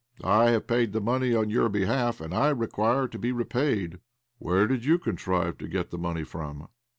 I have paid the money on your behalf, and I require to be repaid." " Where did you contrive to get the money from